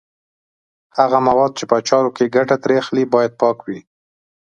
هغه مواد چې په اچارو کې ګټه ترې اخلي باید پاک وي.